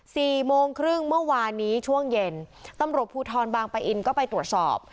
สี่โมงครึ่งเมื่อวานนี้ช่วงเย็นตำรวจภูทรบางปะอินก็ไปตรวจสอบ